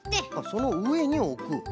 そのうえにおく。